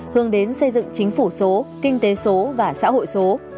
hướng đến xây dựng chính phủ số kinh tế số và xã hội số